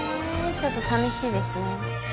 ちょっと寂しいですね